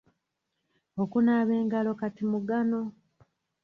Okunaaba engalo kati mugano.